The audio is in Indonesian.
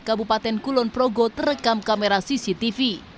kabupaten kulonprogo terekam kamera cctv